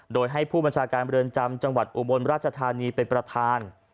โดยให้ผู้บัญชาการเรือนจำจังหวัดอุบลราชธานีเป็นประธาน